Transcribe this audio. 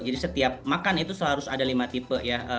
jadi setiap makan itu selalu ada lima tipe ya